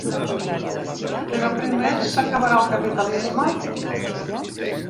Però primer: s’acabarà el capitalisme?